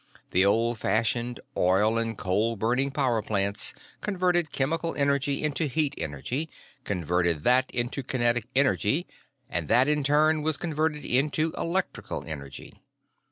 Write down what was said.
The old fashioned, oil or coal burning power plants converted chemical energy into heat energy, converted that into kinetic energy, and that, in turn was converted into electrical energy.